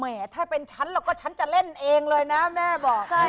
ถ้าเป็นฉันแล้วก็ฉันจะเล่นเองเลยนะแม่บอก